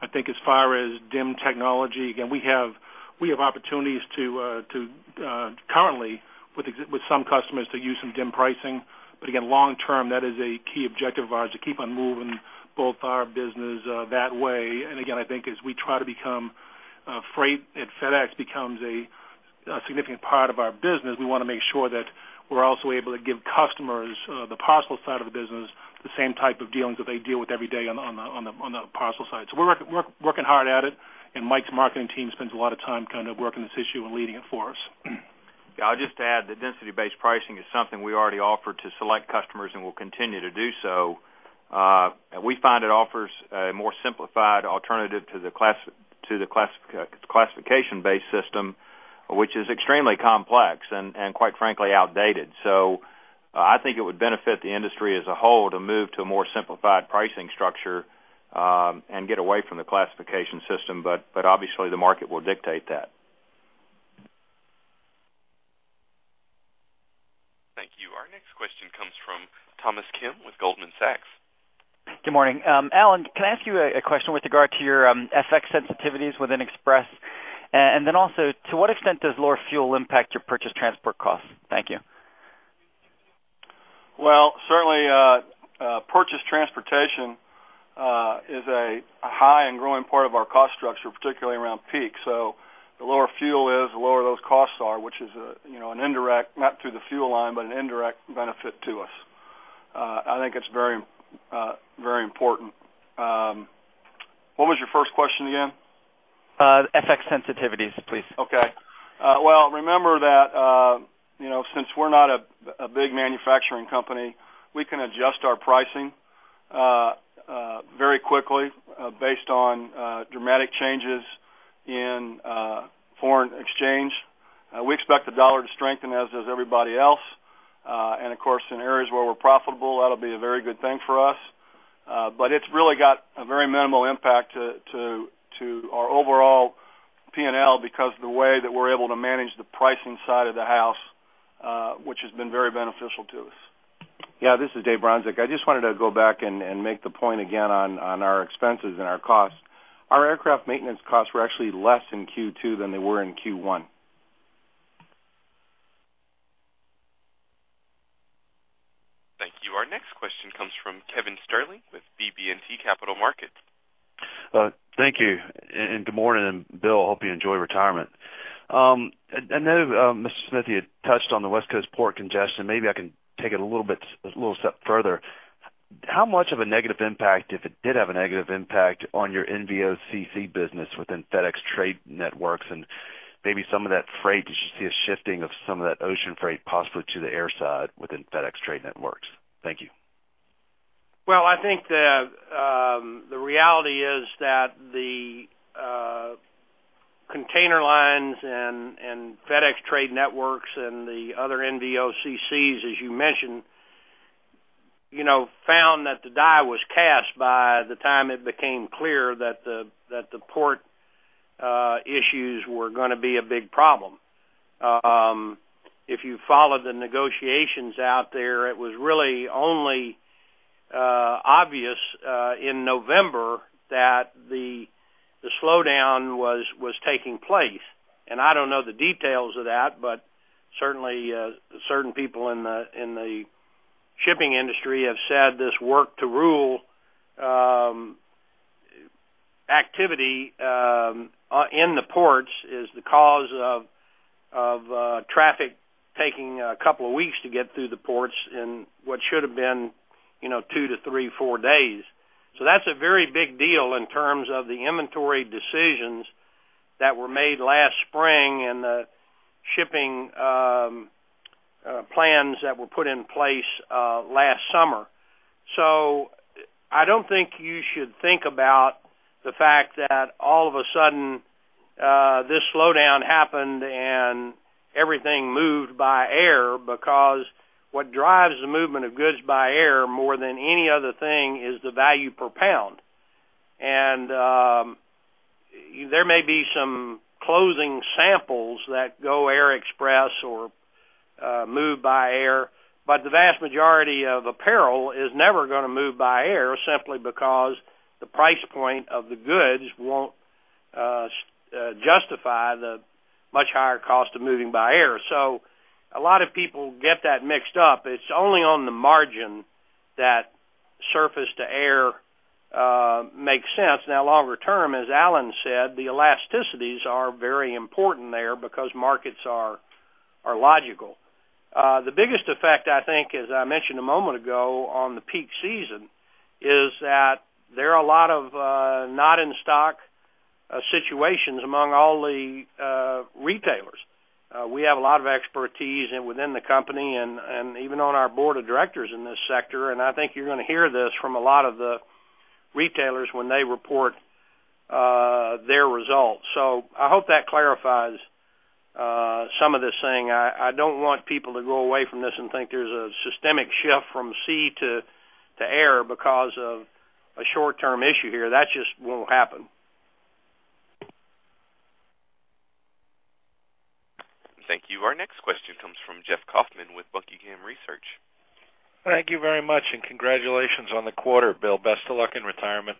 I think as far as dim technology, again, we have opportunities to currently with some customers to use some dim pricing. But again, long term, that is a key objective of ours to keep on moving both our business that way. And again, I think as we try to become freight and FedEx becomes a significant part of our business, we want to make sure that we're also able to give customers the parcel side of the business the same type of dealings that they deal with every day on the parcel side. So we're working hard at it, and Mike's marketing team spends a lot of time kind of working this issue and leading it for us. Yeah, I'll just add, the density-based pricing is something we already offer to select customers and will continue to do so. And we find it offers a more simplified alternative to the classic classification-based system, which is extremely complex and quite frankly, outdated. So, I think it would benefit the industry as a whole to move to a more simplified pricing structure and get away from the classification system, but obviously, the market will dictate that. Thank you. Our next question comes from Thomas Kim with Goldman Sachs. Good morning. Alan, can I ask you a question with regard to your FX sensitivities within Express? And then also, to what extent does lower fuel impact your purchased transport costs? Thank you. Well, certainly, purchased transportation is a high and growing part of our cost structure, particularly around peak. So the lower fuel is, the lower those costs are, which is, you know, an indirect, not through the fuel line, but an indirect benefit to us. I think it's very, very important. What was your first question again? FX sensitivities, please. Okay. Well, remember that, you know, since we're not a big manufacturing company, we can adjust our pricing very quickly based on dramatic changes in foreign exchange. We expect the dollar to strengthen, as does everybody else. And of course, in areas where we're profitable, that'll be a very good thing for us. But it's really got a very minimal impact to our overall P&L because the way that we're able to manage the pricing side of the house, which has been very beneficial to us. Yeah, this is Dave Bronczek. I just wanted to go back and make the point again on our expenses and our costs. Our aircraft maintenance costs were actually less in Q2 than they were in Q1. Thank you. Our next question comes from Kevin Sterling with BB&T Capital Markets. Thank you, and good morning, Bill. I hope you enjoy retirement. I know, Mr. Smith, you had touched on the West Coast port congestion. Maybe I can take it a little bit, a little step further. How much of a negative impact, if it did have a negative impact, on your NVOCC business within FedEx Trade Networks and maybe some of that freight, did you see a shifting of some of that ocean freight possibly to the air side within FedEx Trade Networks? Thank you. Well, I think the reality is that the container lines and FedEx Trade Networks and the other NVOCCs, as you mentioned, you know, found that the die was cast by the time it became clear that the port issues were gonna be a big problem. If you followed the negotiations out there, it was really only obvious in November that the slowdown was taking place. I don't know the details of that, but certainly certain people in the shipping industry have said this work to rule activity in the ports is the cause of traffic taking a couple of weeks to get through the ports in what should have been, you know, two to four days. So that's a very big deal in terms of the inventory decisions that were made last spring and the shipping plans that were put in place last summer. So I don't think you should think about the fact that all of a sudden this slowdown happened and everything moved by air, because what drives the movement of goods by air more than any other thing is the value per pound. And there may be some closing samples that go air express or move by air, but the vast majority of apparel is never gonna move by air simply because the price point of the goods won't justify the much higher cost of moving by air. So a lot of people get that mixed up. It's only on the margin that surface to air makes sense. Now, longer term, as Alan said, the elasticities are very important there because markets are logical. The biggest effect, I think, as I mentioned a moment ago, on the peak season, is that there are a lot of not in stock situations among all the retailers. We have a lot of expertise and within the company and even on our board of directors in this sector, and I think you're gonna hear this from a lot of the retailers when they report their results. So I hope that clarifies some of this thing. I don't want people to go away from this and think there's a systemic shift from sea to air because of a short-term issue here. That just won't happen. Thank you. Our next question comes from Jeff Kauffman with Buckingham Research. Thank you very much, and congratulations on the quarter, Bill. Best of luck in retirement.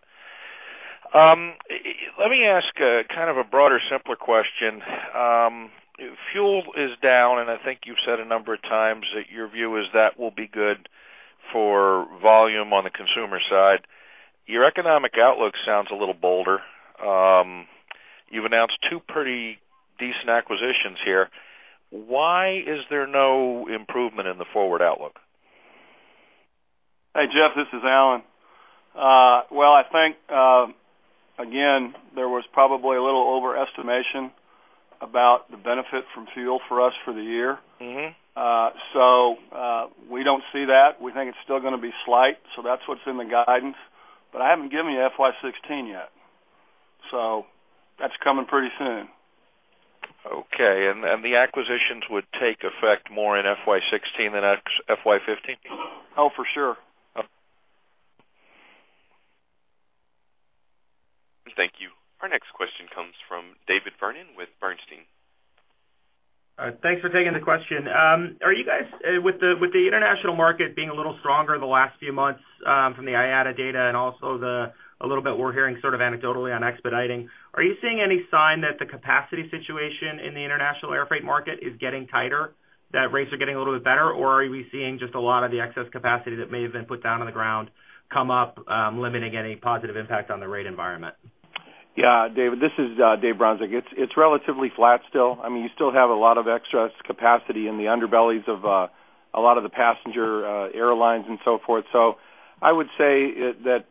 Let me ask a kind of a broader, simpler question. Fuel is down, and I think you've said a number of times that your view is that will be good for volume on the consumer side. Your economic outlook sounds a little bolder. You've announced two pretty decent acquisitions here. Why is there no improvement in the forward outlook? Hey, Jeff, this is Alan. Well, I think, again, there was probably a little overestimation about the benefit from fuel for us for the year. Mm-hmm. So, we don't see that. We think it's still gonna be slight, so that's what's in the guidance. But I haven't given you FY 2016 yet, so that's coming pretty soon. Okay. And the acquisitions would take effect more in FY 2016 than in FY 2015? Oh, for sure. Oh. Thank you. Our next question comes from David Vernon with Bernstein. Thanks for taking the question. Are you guys... With the, with the international market being a little stronger in the last few months, from the IATA data and also a little bit we're hearing sort of anecdotally on expediting, are you seeing any sign that the capacity situation in the international air freight market is getting tighter, that rates are getting a little bit better? Or are we seeing just a lot of the excess capacity that may have been put down on the ground come up, limiting any positive impact on the rate environment? Yeah, David, this is Dave Bronczek. It's, it's relatively flat still. I mean, you still have a lot of excess capacity in the underbellies of a lot of the passenger airlines and so forth. So I would say it, that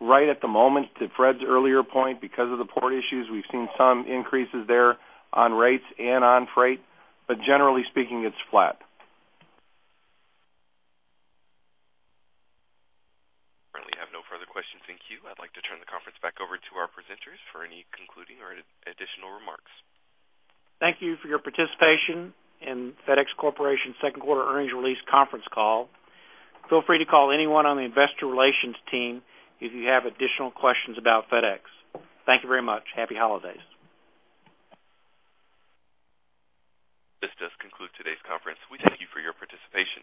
right at the moment, to Fred's earlier point, because of the port issues, we've seen some increases there on rates and on freight, but generally speaking, it's flat. Currently, I have no further questions. Thank you. I'd like to turn the conference back over to our presenters for any concluding or additional remarks. Thank you for your participation in FedEx Corporation's second quarter earnings release conference call. Feel free to call anyone on the investor relations team if you have additional questions about FedEx. Thank you very much. Happy holidays. This does conclude today's conference. We thank you for your participation.